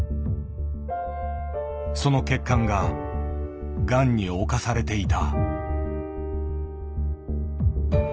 その血管ががんに侵されていた。